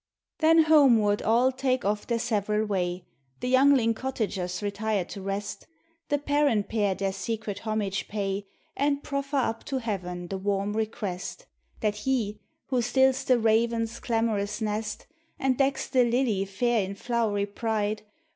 Then homeward all take off their several way; The youngling cottagers retire to rest: The parent pair their secret homage pay, And proffer up to Heaven the warm request. That He who stills the raven's clamorous nest, And decks the lily fair in flowery pride.